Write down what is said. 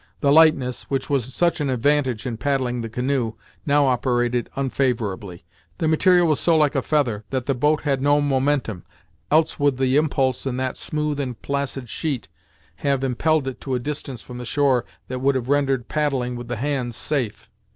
The lightness, which was such an advantage in paddling the canoe, now operated unfavorably. The material was so like a feather, that the boat had no momentum, else would the impulse in that smooth and placid sheet have impelled it to a distance from the shore that would have rendered paddling with the hands safe.